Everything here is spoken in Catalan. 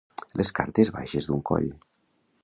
Les cartes baixes d'un coll.